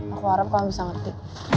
aku harap kamu bisa ngerti